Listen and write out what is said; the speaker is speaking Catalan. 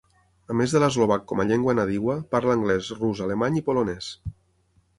A més de l'eslovac com a llengua nadiua, parla anglès, rus, alemany i polonès.